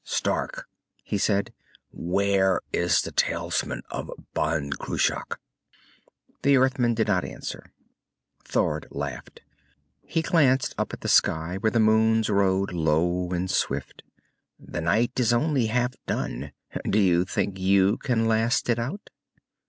"Stark," he said. "Where is the talisman of Ban Cruach?" The Earthman did not answer. Thord laughed. He glanced up at the sky, where the moons rode low and swift. "The night is only half gone. Do you think you can last it out?"